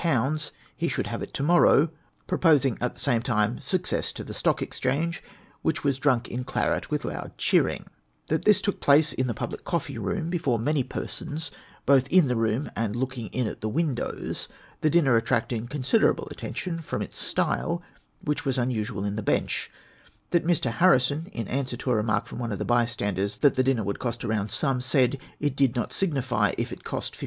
he should have it to morrow; jjroposing at the same time, "Success to the Stock Excliange,'^ which 'was drunk in claret with loud cheering : that this took place in the public coffee room, before many persons both in the room and looking in at the windows, the dinner attracting considerable attention from its style, which was unusual in the Bench : that ]Mr. Harrison, in answer to a remark from one of the Ijystanders, that the dinner would cost a round sum, said, it did not signify if it cost 50